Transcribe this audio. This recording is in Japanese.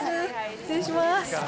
失礼します。